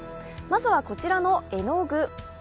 まずは、こちらの絵の具。